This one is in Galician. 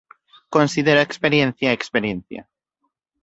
Considero a experiencia experiencia.